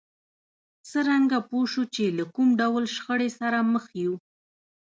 څرنګه پوه شو چې له کوم ډول شخړې سره مخ يو؟